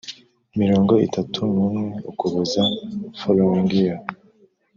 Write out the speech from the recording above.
mirongo itatu n umwe Ukuboza following year